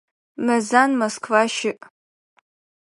Мэзан Москва щыӏ.